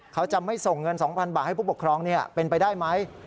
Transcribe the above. เขาจะไม่ส่งเงิน๒๐๐บาทให้ผู้ปกครองเป็นไปได้ไหม